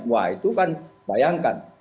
wah itu kan bayangkan